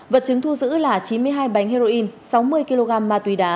vật chứng thu giữ là chín mươi hai bánh heroin sáu mươi kg ma túy đá